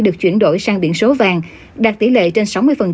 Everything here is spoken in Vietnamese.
được chuyển đổi sang biển số vàng đạt tỷ lệ trên sáu mươi